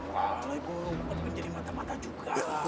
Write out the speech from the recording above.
wah gue rumpet kan jadi mata mata juga